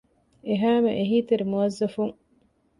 އެހައިމެ އެހީތެރި މުވައްޒަފުން